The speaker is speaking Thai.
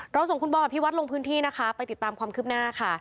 เราส่งคุณบ้อควัฒน์ลงที่พี่วัด